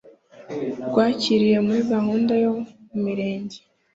rwakiriye muri gahunda yo mu mirenge